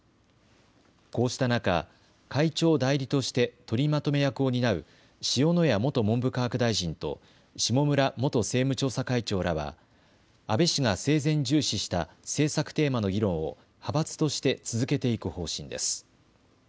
こうした中、会長代理として取りまとめ役を担う塩谷元文部科学大臣と下村元政務調査会長らは安倍氏が生前重視した政策テーマの議論を派閥として続けていく方針です。